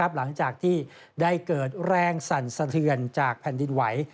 หลังจากที่ได้เกิดแรงสั่นสะเทือนจากแผ่นดินไหว